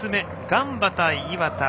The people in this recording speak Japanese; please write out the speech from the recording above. ガンバ対磐田。